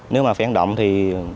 nếu mà phản động thì